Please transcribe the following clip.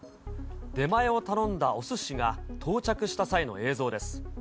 出前を頼んだおすしが到着した際の映像です。